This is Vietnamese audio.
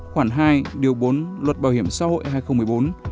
khoảng hai điều bốn luật bảo hiểm xã hội hai nghìn một mươi bốn